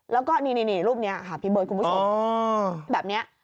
แล้วก็นี่รูปนี้ค่ะพี่เบิร์ดคุณผู้ชมแบบนี้